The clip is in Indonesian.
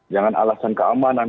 jangan alasan keamanan